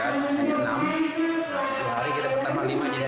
hari ini kita bertambah lima jadi ini sebelas